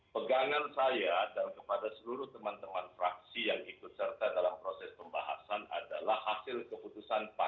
pegangan saya dan kepada seluruh teman teman fraksi yang ikut serta dalam proses pembahasan adalah hasil keputusan pan